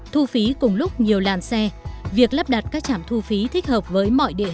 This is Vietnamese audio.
thu phí cùng lúc nhiều làn xe việc lắp đặt các chảm thu phí thích hợp với mọi địa hình